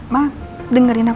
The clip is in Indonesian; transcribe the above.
ma dengerin aku ya ma